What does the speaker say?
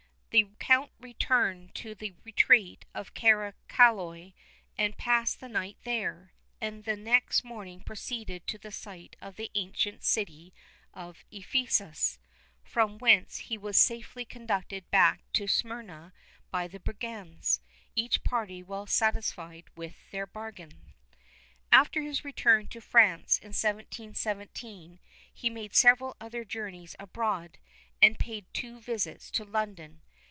The Count returned to the retreat of Caracayoli, and passed the night there, and the next morning proceeded to the site of the ancient city of Ephesus, from whence he was safely conducted back to Smyrna by the brigands, each party well satisfied with their bargain. After his return to France, in 1717, he made several other journeys abroad, and paid two visits to London.